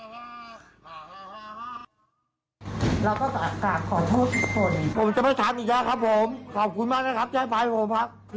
ผมจะไม่ทำอีกแล้วครับผม